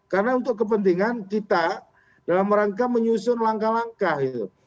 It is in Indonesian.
karena untuk kepentingan kita dalam rangka menyusun langkah langkah